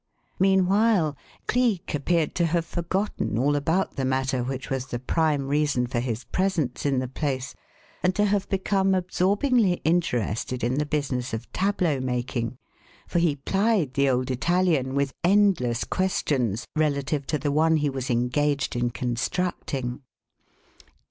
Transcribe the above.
Meanwhile Cleek appeared to have forgotten all about the matter which was the prime reason for his presence in the place and to have become absorbingly interested in the business of tableau making, for he plied the old Italian with endless questions relative to the one he was engaged in constructing.